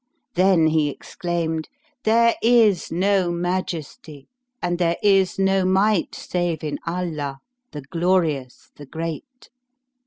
Then he exclaimed, "There is no Majesty and there is no Might save in Allah, the Glorious the Great!"